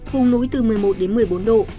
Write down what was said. vùng núi từ một mươi một đến một mươi bốn độ